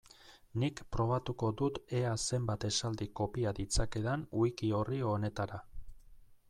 Nik probatuko dut ea zenbat esaldi kopia ditzakedan wiki-orri honetara.